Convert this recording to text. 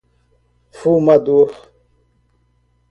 Fumador